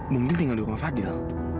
bung dil tinggal di rumah fadil